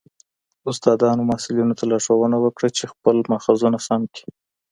استادانو محصلینو ته لارښوونه وکړه چي خپل ماخذونه سم کړي.